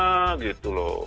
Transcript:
nah gitu loh